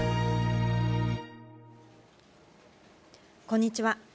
こんにちは。